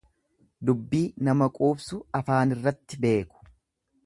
Dubbii nama quubsu afaanirratti beeku.